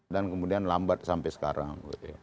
dan kemudian lambat sampai sekarang